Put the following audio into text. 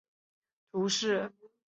莫尔莱人口变化图示